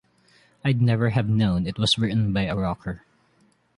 I'd never have known it was written by a rocker.